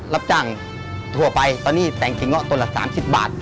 รับจ้างทั่วไปตอนนี้แต่งทีเงาะตัวละ๓๐บาท